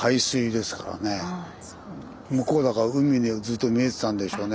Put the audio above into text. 向こうだから海ずっと見えてたんでしょうね。